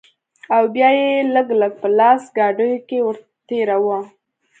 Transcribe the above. او بيا به يې لږ لږ په لاسي ګاډيو کښې ورتېراوه.